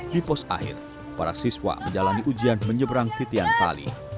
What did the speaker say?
di pos akhir para siswa menjalani ujian menyeberang titian tali